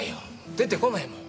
出てこないもん。